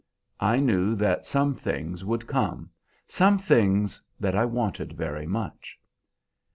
I knew that some things would come, some things that I wanted very much.